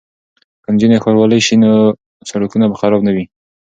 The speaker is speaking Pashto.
که نجونې ښاروالې شي نو سړکونه به خراب نه وي.